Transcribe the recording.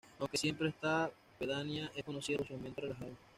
Aunque siempre esta pedanía es conocida por su "Ambiente relajado".